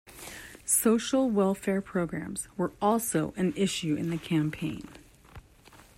Social welfare programs were also an issue in the campaign.